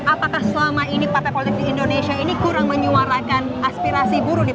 apakah selama ini partai politik di indonesia ini kurang menyuarakan aspirasi buruh